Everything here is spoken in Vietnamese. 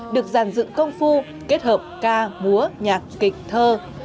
được giàn dựng công phu kết hợp ca múa nhạc kịch thơ